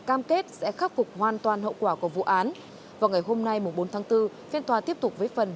cam kết sẽ khắc phục hoàn toàn hậu quả của vụ án vào ngày hôm nay bốn tháng bốn phiên tòa tiếp tục với phần